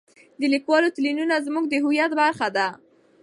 د لیکوالو تلینونه زموږ د هویت برخه ده.